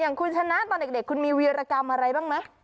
อย่างคุณชนะตอนเด็กคุณมีวีรกรรมอะไรบ้างไหม